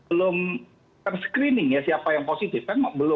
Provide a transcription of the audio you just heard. belum ter screening ya siapa yang positif